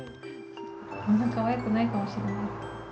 こんなかわいくないかもしれない。